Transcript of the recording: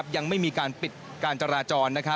ยังไม่มีการปิดการจราจร